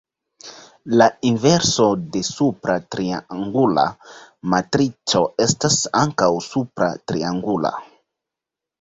La inverso de supra triangula matrico estas ankaŭ supra triangula.